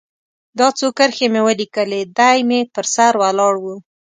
دا څو کرښې مې ولیکلې، دی مې پر سر ولاړ و.